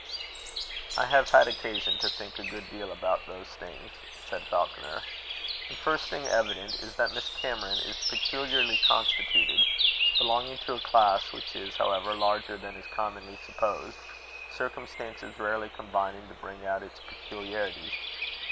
"I have had occasion to think a good deal about those things," said Falconer. "The first thing evident is, that Miss Cameron is peculiarly constituted, belonging to a class which is, however, larger than is commonly supposed, circumstances rarely combining to bring out its peculiarities.